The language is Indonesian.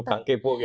tukang kepo gitu